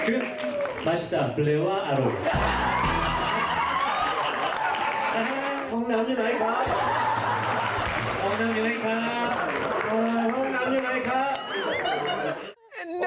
โอ้ยห้องน้ำอยู่ไหนค่ะ